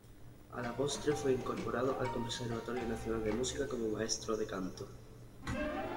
A la postre fue incorporado al Conservatorio Nacional de Música como maestro de canto.